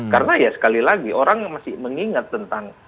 karena sekali lagi orang masih mengingat tentang